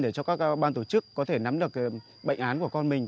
để cho các ban tổ chức có thể nắm được bệnh án của con mình